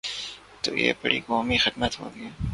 تو یہ بڑی قومی خدمت ہو گی۔